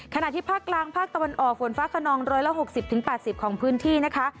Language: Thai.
ขณะที่ภาคกลางภาคตะวันออกฝนฟ้าขนอง๑๖๐๘๐ของพื้นที่นะคะ